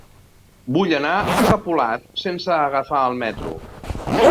Vull anar a Capolat sense agafar el metro.